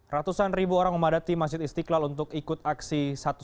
ratusan ribu orang memadati masjid istiqlal untuk ikut aksi satu ratus dua belas